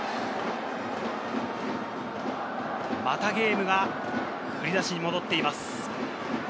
またゲームが振り出しに戻っています。